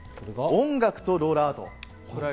音楽とローラーアート。